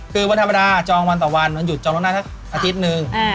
จริงวันธรรมดาจอมันต่อวันมันหยุดจองตอนหน้านะอาทิตย์นึง